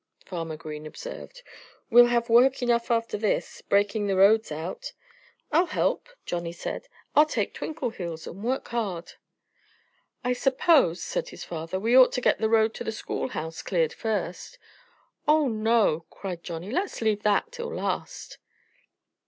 Farmer Green observed. "We'll have work enough after this, breaking the roads out." "I'll help," Johnnie said. "I'll take Twinkleheels and work hard." "I suppose," said his father, "we ought to get the road to the schoolhouse cleared first." "Oh, no!" cried Johnnie. "Let's leave that till the last."